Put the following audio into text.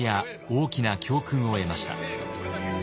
大きな教訓を得ました。